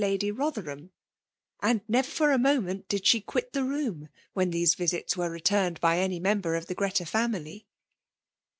171* Lidy Botherbam^ and never finr ^ moment did flhe qtiit the room when these visits were re* ■ turned by any member of the Greta family.